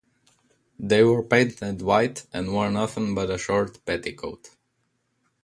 They were painted white and wore nothing but a short petticoat.